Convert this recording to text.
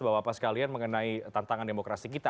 bahwa apa sekalian mengenai tantangan demokrasi kita